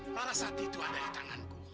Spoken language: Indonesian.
larasati itu ada di tanganku